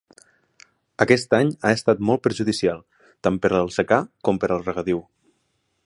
Aquest any ha estat molt perjudicial, tant per al secà com per al regadiu.